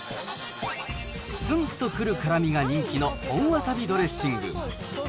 つんっとくる辛みが人気の本わさびドレッシング。